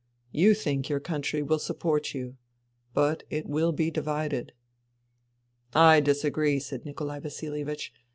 You think your country will support you. But it will be divided." " I disagree," said Nikolai Vasilievich.